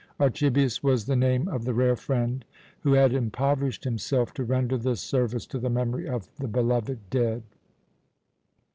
Archibius was the name of the rare friend who had impoverished himself to render this service to the memory of the beloved dead.